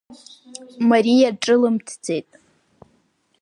Мариа ҿылымҭӡеит.